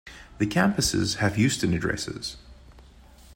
The campuses have Houston addresses.